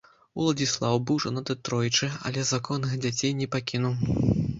Уладзіслаў быў жанаты тройчы, але законных дзяцей не пакінуў.